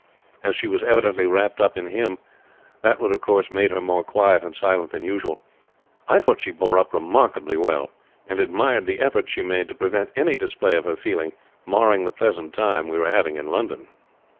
As she was evidently wrapped up in him, that would of course make her more quiet and silent than usual. I thought she bore up remarkably well, and admired the effort she made to prevent any display of her feeling marring the pleasant time we were having in London."